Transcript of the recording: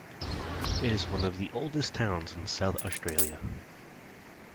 It is one of the oldest towns in South Australia.